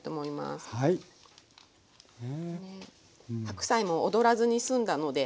白菜もおどらずにすんだので。